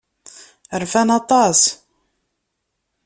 Rfan aṭas.